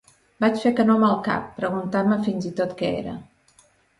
Vaig fer que no amb el cap, preguntant-me fins i tot què era.